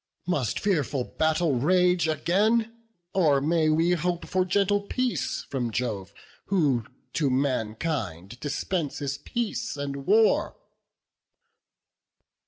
Must fearful battle rage again, Or may we hope for gentle peace from Jove, Who to mankind dispenses peace and war?"